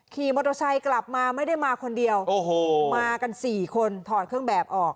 ขี่มอเตอร์ไซค์กลับมาไม่ได้มาคนเดียวโอ้โหมากันสี่คนถอดเครื่องแบบออก